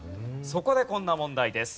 そこでこんな問題です。